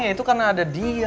itu karena ada dia